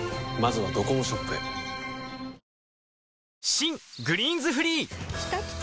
新「グリーンズフリー」きたきた！